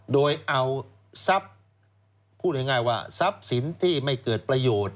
โดยเอาทรัพย์พูดง่ายว่าทรัพย์สินที่ไม่เกิดประโยชน์